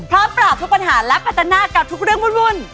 พร้อมปราบทุกปัญหาและปัจจันทร์กับทุกเรื่องวุ่น